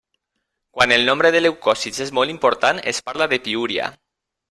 Quan el nombre de leucòcits és molt important es parla de piúria.